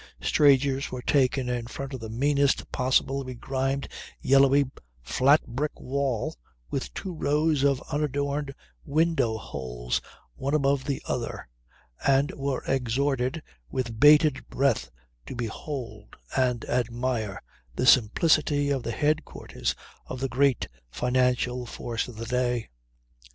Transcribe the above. Strangers were taken in front of the meanest possible, begrimed, yellowy, flat brick wall, with two rows of unadorned window holes one above the other, and were exhorted with bated breath to behold and admire the simplicity of the head quarters of the great financial force of the day.